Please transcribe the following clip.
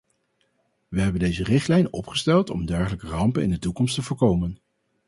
Wij hebben deze richtlijn opgesteld om dergelijke rampen in de toekomst te voorkomen.